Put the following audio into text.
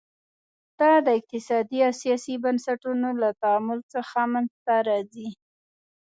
دا د اقتصادي او سیاسي بنسټونو له تعامل څخه منځته راځي.